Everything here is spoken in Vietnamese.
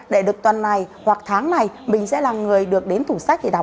để được tuần này hoặc tháng này mình sẽ là người được đến tủ sách để đọc